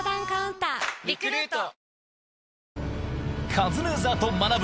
『カズレーザーと学ぶ。』